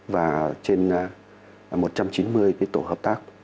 và trên một trăm chín mươi tổ hợp tác